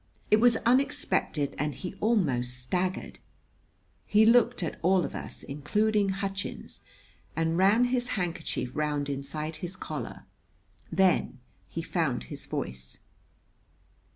It was unexpected and he almost staggered. He looked at all of us, including Hutchins, and ran his handkerchief round inside his collar. Then he found his voice.